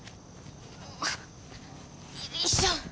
よいしょ！